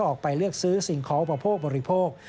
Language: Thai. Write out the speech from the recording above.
ออกไปเลือกซื้อสิ่งของอุปโภคบริโภค